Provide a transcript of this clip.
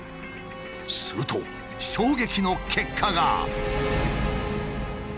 すると衝撃の結果が。